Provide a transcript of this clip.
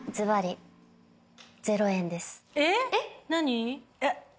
えっ？